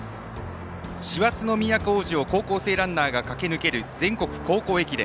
師走の都大路を高校生ランナーが駆け抜ける全国高校駅伝。